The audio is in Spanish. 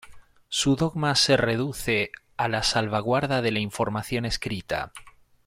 Su dogma se reduce a la salvaguarda de información escrita.